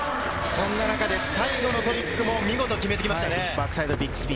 そんな中で最後のトリックも見事、決めてきました。